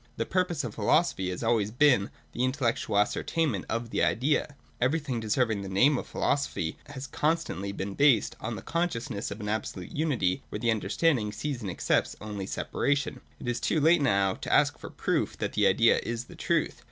The purpose of philosophy has always been the intellec tual ascertainment of the Idea ; and everything deserving the name of philosophy has constantly been based on the consciousness of an absolute unity where the under standing sees and accepts only separation. — It is too late now to ask for proof that the Idea is the truth.